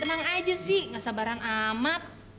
tenang aja sih nggak sabaran amat